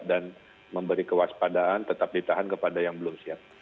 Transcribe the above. dan memberi kewaspadaan tetap ditahan kepada yang belum siap